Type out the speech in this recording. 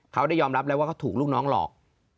เขาได้ยอมรับแล้วว่าเขาถูกลูกน้องหลอก